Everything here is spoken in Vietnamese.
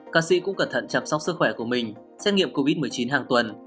ca sĩ cũng cẩn thận chăm sóc sức khỏe của mình xét nghiệm covid một mươi chín hàng tuần